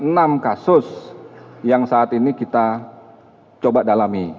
enam kasus yang saat ini kita coba dalami